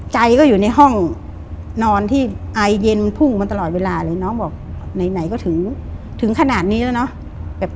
ใจก็อยู่ในห้องนอนที่ไอเย็นพุ่งมาตลอดเวลาเลยน้องบอกไหนก็ถึงขนาดนี้แล้วเนอะ